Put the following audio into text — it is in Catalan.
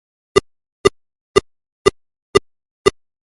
Desfer la sivella.